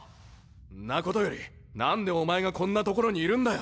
んなことより何でお前がこんな所にいるんだよ！